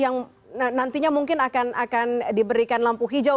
yang nantinya mungkin akan diberikan lampu hijau